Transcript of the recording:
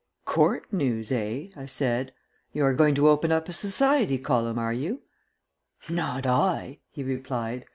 "Court news, eh?" I said. "You are going to open up a society column, are you?" "Not I," he replied.